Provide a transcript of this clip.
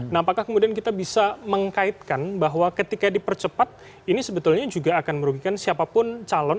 nah apakah kemudian kita bisa mengkaitkan bahwa ketika dipercepat ini sebetulnya juga akan merugikan siapapun calon